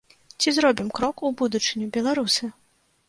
Ці зробім крок у будучыню, беларусы?